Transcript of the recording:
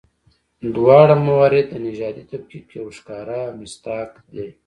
دواړه موارد د نژادي تفکیک یو ښکاره مصداق دي.